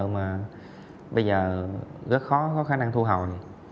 mà bây giờ rất khó có khả năng thu hồi